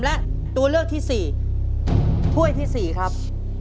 และตัวเลือกที่๔ถ้วยที่๔ครับ